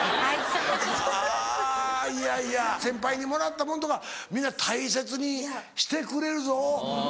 はぁいやいや先輩にもらったものとか皆大切にしてくれるぞ。